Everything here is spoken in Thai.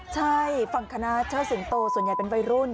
ใช่ฝั่งคณะเชิดสิงโตส่วนใหญ่เป็นวัยรุ่น